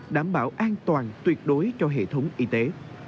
đảm bảo an toàn tuyệt đối cho hệ thống y tế